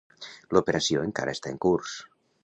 L'operació encara està en curs.